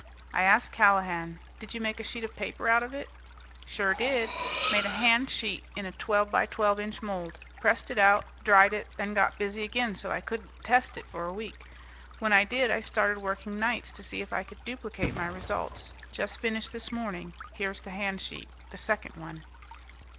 I asked Callahan, "Did you make a sheet of paper out of it?" "Sure did. Made a hand sheet in a twelve by twelve inch mold. Pressed it out, dried it, then got busy again so I couldn't test it for a week. When I did I started working nights to see if I could duplicate my results. Just finished this morning. Here's the hand sheet, the second one."